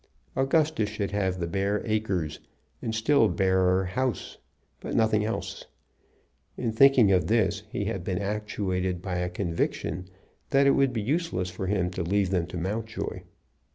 Augustus should have the bare acres, and still barer house, but nothing else. In thinking of this he had been actuated by a conviction that it would be useless for him to leave them to Mountjoy.